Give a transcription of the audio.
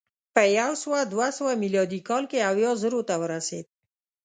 په یو سوه دوه سوه میلادي کال کې اویا زرو ته ورسېد